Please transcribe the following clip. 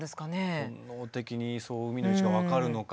本能的に海の位置が分かるのか。